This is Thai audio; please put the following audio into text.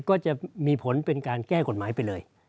ก็จะมีผลเป็นการแก้กฎหมายไปเลย